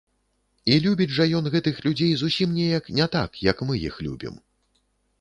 І любіць жа ён гэтых людзей зусім неяк не так, як мы іх любім.